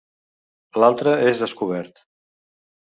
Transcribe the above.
L'altra és descobert.